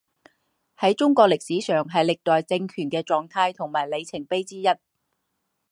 在中国历史上是历代政权的状态和里程碑之一。